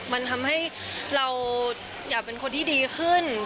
มันทำให้เราอยากเป็นคนที่ดีขึ้น